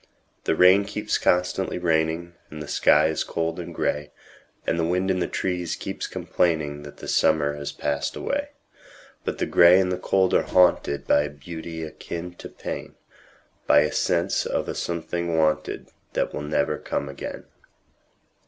The rain keeps constantly raining, And the sky is cold and gray, And the wind in the trees keeps complainingThat summer has passed away;—But the gray and the cold are hauntedBy a beauty akin to pain,—By a sense of a something wanted, That never will come again.